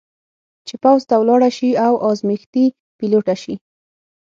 چې پوځ ته ولاړه شي او ازمېښتي پیلوټه شي.